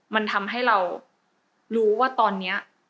มันทำให้เรารู้ว่าตอนนี้